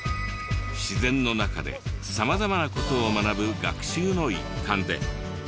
自然の中で様々な事を学ぶ学習の一環で。